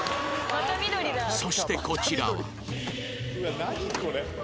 そしてこちらは